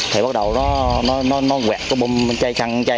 thì bắt đầu nó quẹt cái bùm chai xăng